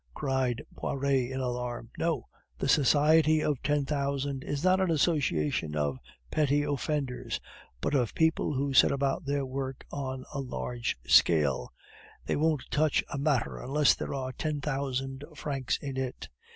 cried Pioret in alarm. "No. The Society of the Ten Thousand is not an association of petty offenders, but of people who set about their work on a large scale they won't touch a matter unless there are ten thousand francs in it.